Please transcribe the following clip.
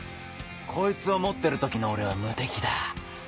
こいつを持ってる時の俺は無敵だ。